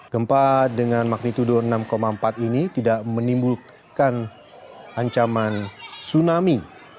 gempa dengan magnitudo enam empat ini tidak menimbulkan ancaman tsunami